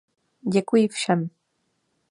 Děkuji všem.